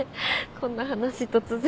こんな話突然。